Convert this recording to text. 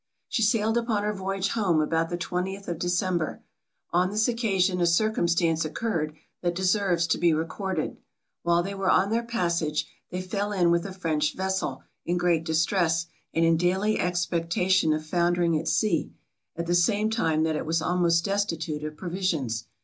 She sailed upon her voyage home about the twentieth of December. On this occasion a circumstance occurred, that deserves to be recorded. While they were on their passage, they fell in with a French vessel, in great distress, and in daily expectation of foundering at sea, at the same time that it was almost destitute of provisions.